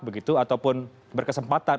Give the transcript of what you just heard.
begitu ataupun berkesempatan